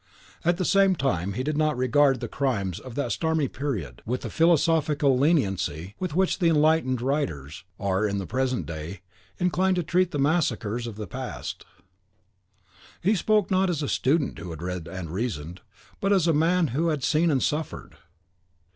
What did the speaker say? At the same time he did not regard the crimes of that stormy period with the philosophical leniency with which enlightened writers (their heads safe upon their shoulders) are, in the present day, inclined to treat the massacres of the past: he spoke not as a student who had read and reasoned, but as a man who had seen and suffered.